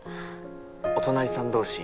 お隣さん同士